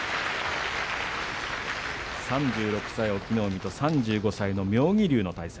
３６歳、隠岐の海３５歳の妙義龍の対戦。